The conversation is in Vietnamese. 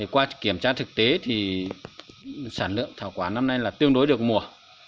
qua kiểm tra thực tế thì sản lượng thảo quả năm nay là tương đối được mùa